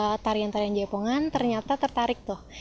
dari dahulu tarian tarian jaipongan ternyata tertarik tuh